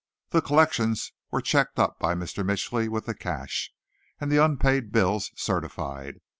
The collections were checked up by Mr. Mitchly with the cash, and the unpaid bills certified.